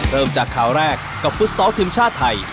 เริ่มจากข่าวแรกกับฟุตซอลทีมชาติไทย